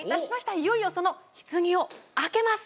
いよいよその棺を開けます！